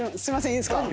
いいんすか。